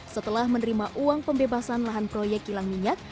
setelah menerima uang pembebasan lahan proyek kilang minyak